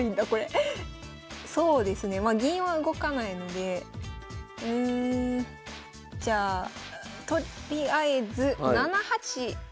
そうですねまあ銀は動かないのでうんじゃあとりあえず７八馬と。